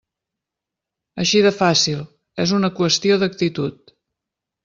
Així de fàcil, és una qüestió d'actitud.